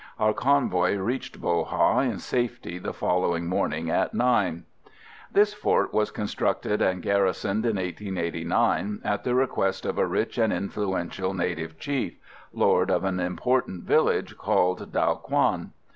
Our convoy reached Bo Ha in safety the following morning at nine. This fort was constructed and garrisoned in 1889, at the request of a rich and influential native chief, lord of an important village, called Dao Quan.